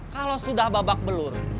kalau sudah babak belur